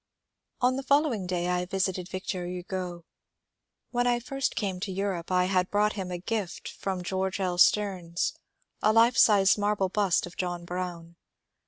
On the following day I visited Victor Hugo. When I first came to Europe I had brought him as a gift from George L. Steams a life size marble bust of John Brown.